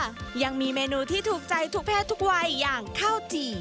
ยังมีเมนูที่ถูกใจทุกเพศทุกวัยอย่างข้าวจี่